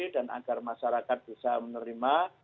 dan agar masyarakat bisa menerima